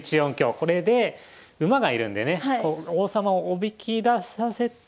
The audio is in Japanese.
これで馬が居るんでね王様をおびき出させて香車で。